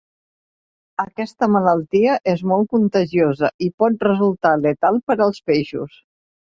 Aquesta malaltia és molt contagiosa i pot resultar letal per als peixos.